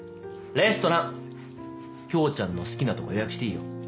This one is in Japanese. レストランキョウちゃんの好きなとこ予約していいよ。